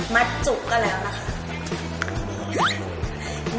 มาจุก็แล้วนะคะ